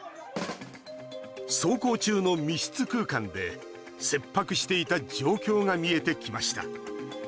走行中の密室空間で切迫していた状況が見えてきました。